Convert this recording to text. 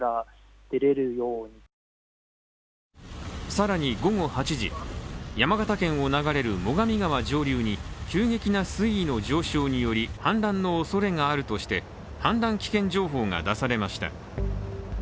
更に午後８時、山形県を流れる最上川上流に急激な水位の上昇により氾濫のおそれがあるとして氾濫危険情報が出されました。